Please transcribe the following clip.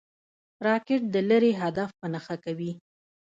راکټ د لرې هدف په نښه کوي